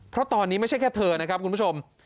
เพราะตอนนี้ไม่ใช่แค่เธอนะครับคุณผู้ชม